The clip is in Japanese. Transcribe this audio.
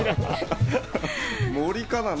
森かな？